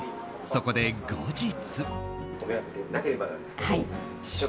そこで後日。